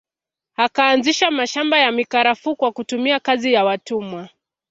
Akaanzisha mashamba ya mikarafuu kwa kutumia kazi ya watumwa